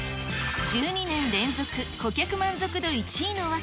１２年連続顧客満足度１位の訳。